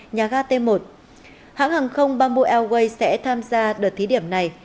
nhà ga t một hãng hàng không bamboo airways sẽ tham gia đợt thí điểm này